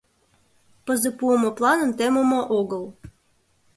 Пызе пуымо планым темыме огыл.